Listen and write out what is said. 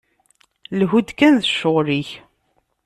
Lhu-d kan d ccɣel-ik!